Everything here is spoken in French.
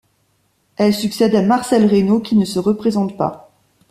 Elle succède à Marcel Rainaud qui ne se représente pas.